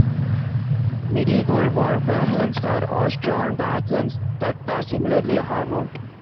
Medieval war wagons were horse-drawn wagons that were similarly armoured.